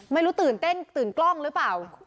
ไม่รู้ตื่นเต้นตื่นกล้องหรือเปล่า